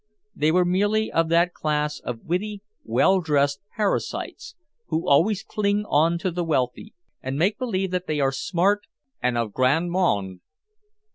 They were merely of that class of witty, well dressed parasites who always cling on to the wealthy and make believe that they are smart and of the grande monde.